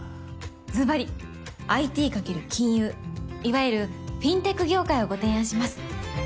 ズバリＩＴ掛ける金融いわゆるフィンテック業界をご提案します。